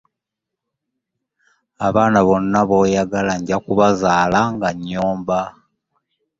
Abaana bonna b'oyagala nja kubazaala aga nnyabo.